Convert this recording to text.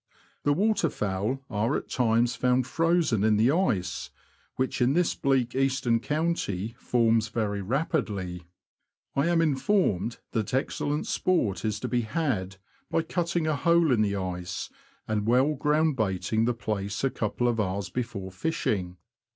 The waterfowl are at times found frozen in the ice, which in this bleak eastern county forms very rapidly. I am informed that excellent sport is to be had by cutting a hole in the ice, and ^ well ground baiting the place a couple of hours before fishing.